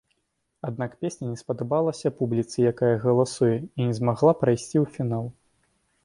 Аднак песня не спадабалася публіцы, якая галасуе, і не змагла прайсці ў фінал.